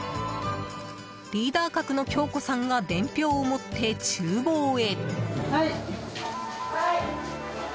リーダー格の京子さんが伝票を持って厨房へ。